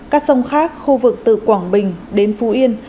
các sông khác khu vực từ quảng bình đến phú yên